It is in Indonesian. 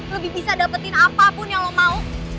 lebih bisa dapetin apapun yang lo mau